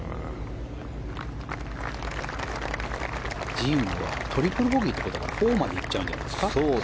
ジームはトリプルボギーということは４までいっちゃうんじゃないですか。